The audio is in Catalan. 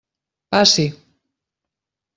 Passi.